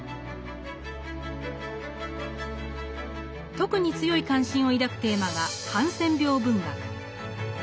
特に強い関心を抱くテーマがハンセン病文学。